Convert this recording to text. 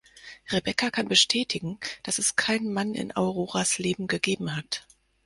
Rebecca kann bestätigen, dass es keinen Mann in Auroras Leben gegeben hat.